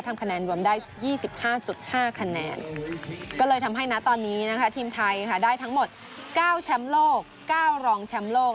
คะแนนรวมได้๒๕๕คะแนนก็เลยทำให้นะตอนนี้นะคะทีมไทยค่ะได้ทั้งหมด๙แชมป์โลก๙รองแชมป์โลก